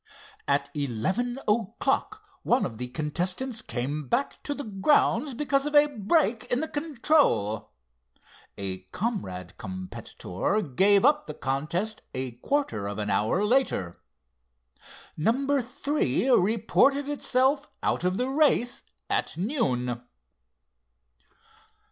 At eleven o'clock one of the contestants came back to the grounds because of a break in the control. A comrade competitor gave up the contest a quarter of an hour later. Number three reported itself out of the race at noon.